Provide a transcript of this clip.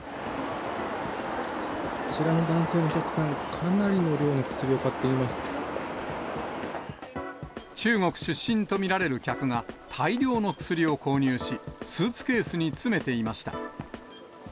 あちらの男性のお客さん、中国出身と見られる客が、大量の薬を購入し、スーツケースに詰めていました。